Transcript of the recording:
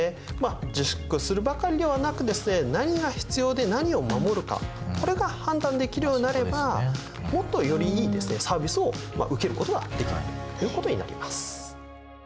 自粛するばかりではなくですね何が必要で何を守るかこれが判断できるようになればもっとよりいいサービスを受けることができるということになります。